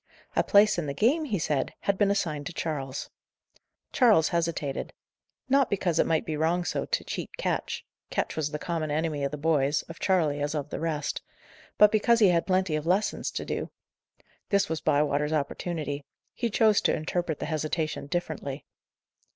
A place in the game, he said, had been assigned to Charles. Charles hesitated. Not because it might be wrong so to cheat Ketch Ketch was the common enemy of the boys, of Charley as of the rest but because he had plenty of lessons to do. This was Bywater's opportunity; he chose to interpret the hesitation differently.